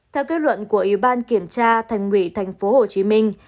theo kết luận của ủy ban kiểm tra thành ủy thành phố hồ chí minh